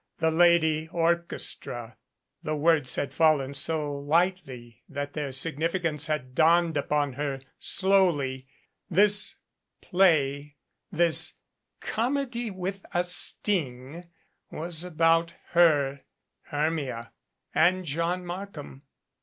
"The Lady Orchestra !" The words had fallen so lightly that their significance had dawned upon 300 MRS. HAMMOND ENTERTAINS her slowly. This play this "comedy with a sting" was about her Hermia and John Markham.